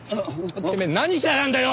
てめえ何しやがんだよ！